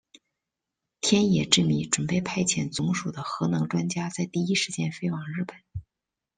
天野之弥准备派遣总署的核能专家在第一时间飞往日本。